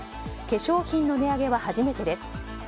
化粧品の値上げは初めてです。